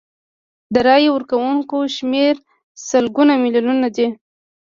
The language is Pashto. د رایې ورکوونکو شمیر سلګونه میلیونه دی.